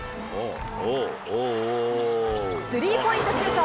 スリーポイントシュート。